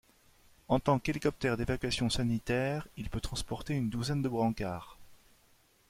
En tant qu'hélicoptère d'évacuation sanitaire, il peut transporter une douzaine de brancards.